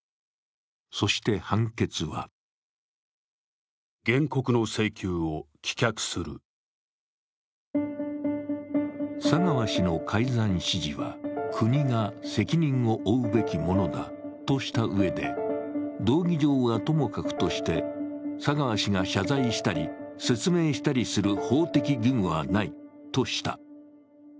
そして、判決は佐川氏の改ざん指示は国が責任を負うべきものだとしたうえで道義上はともかくとして、佐川氏が謝罪したり説明したりする法的義務はないとした。